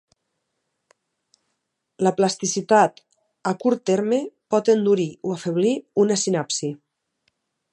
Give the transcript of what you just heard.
La plasticitat a curt terme pot endurir o afeblir una sinapsi.